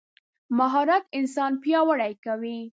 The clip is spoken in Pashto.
مهارت انسان پیاوړی کوي.